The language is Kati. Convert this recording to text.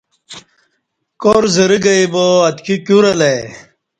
کارزرہ گئی با اتکی کیور الہ ای